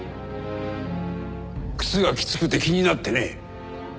靴がきつくて気になってね。